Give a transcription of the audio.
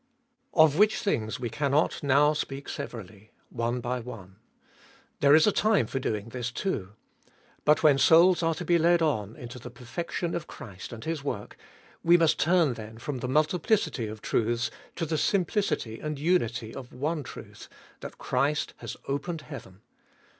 7. Of which things we cannot now speak severally, one by one. There is a time for doing this too. But when souls are to be led on into the perfection of Christ and His work, we must turn then from the multiplicity of truths to the simplicity and unity of one truth, that Christ has opened heaven.